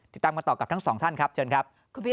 ติดตามกันต่อกับทั้งสองท่านครับเชิญครับ